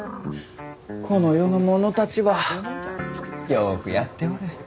この世の者たちはよくやっておる。